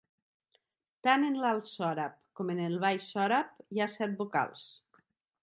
Tant en l'alt sòrab com en el baix sòrab hi ha set vocals.